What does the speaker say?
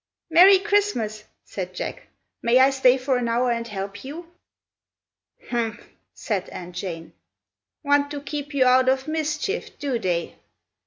"Merry Christmas!" said Jack. "May I stay for an hour and help you?" "Humph!" said Aunt Jane. "Want to keep you out of mischief, do they?